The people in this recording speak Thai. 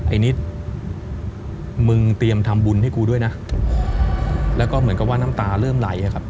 ไอ้นิดมึงเตรียมทำบุญให้กูด้วยนะแล้วก็เหมือนกับว่าน้ำตาเริ่มไหลครับ